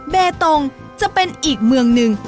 เบตงจะเป็นอีกเมืองหนึ่ง